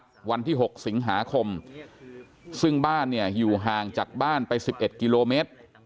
วันที่๖สิงหาคมซึ่งบ้านเนี่ยอยู่ห่างจากบ้านไป๑๑กิโลเมตร